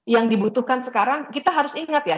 yang dibutuhkan sekarang kita harus ingat ya